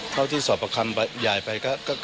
เท่าที่สอดประคำหยายไป